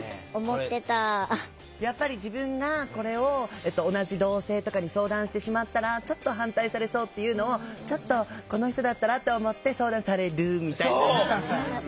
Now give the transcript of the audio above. やっぱり自分がこれを同じ同性とかに相談してしまったらちょっと反対されそうっていうのをちょっとこの人だったらって思って相談されるみたいな。